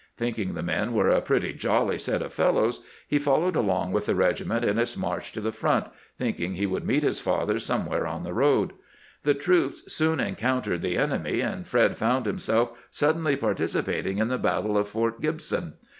Think ing the men were a pretty jolly set of fellows, he followed along with the regiment in its march to the front, think ing he would meet his father somewhere on the road. The troops soon encountered the enemy, and Fred found himself suddenly participating in the battle of Port Gib son.